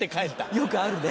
よくあるね！